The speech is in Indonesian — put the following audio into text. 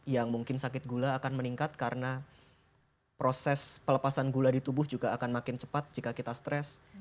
yang mungkin sakit gula akan meningkat karena proses pelepasan gula di tubuh juga akan makin cepat jika kita stres